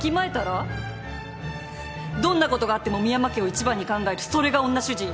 どんなことがあっても深山家を一番に考えるそれが女主人よ。